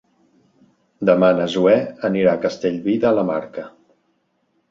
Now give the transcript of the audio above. Demà na Zoè anirà a Castellví de la Marca.